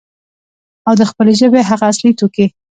او د خپلې ژبې هغه اصلي توکي،